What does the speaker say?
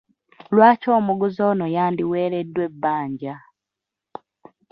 Lwaki omuguzi ono yandiweereddwa ebbanja?